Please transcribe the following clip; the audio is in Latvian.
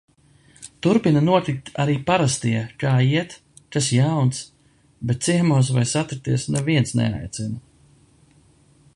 Turpina notikt arī parastie kā iet? Kas jauns?, bet ciemos vai satikties neviens neaicina.